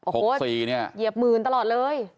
อโฮหยีบหมื่นตลอดเลย